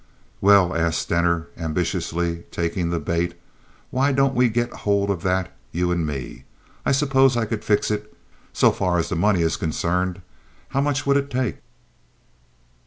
"Well," asked Stener, ambitiously, taking the bait, "why don't we get hold of that—you and me? I suppose I could fix it so far as the money is concerned. How much would it take?"